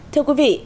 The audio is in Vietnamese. thưa quý vị